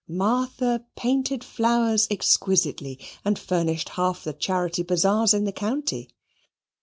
Martha painted flowers exquisitely and furnished half the charity bazaars in the county.